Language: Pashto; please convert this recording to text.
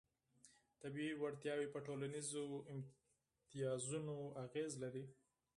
طبیعي وړتیاوې په ټولنیزو امتیازونو اغېز لري.